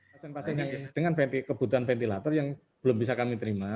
pasien pasien yang dengan kebutuhan ventilator yang belum bisa kami terima